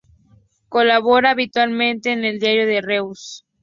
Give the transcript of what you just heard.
Colabora habitualmente con el Diario de Reus.